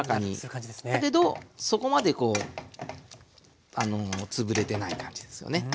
だけどそこまでこう潰れてない感じですよね。